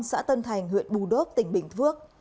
xã tân thành huyện bù đốc tỉnh bình phước